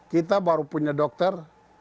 kita baru punya dokter